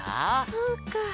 そうか。